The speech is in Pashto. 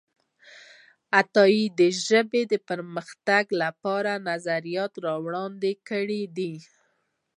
عطايي د ژبې د پرمختګ لپاره نظریات وړاندې کړي دي.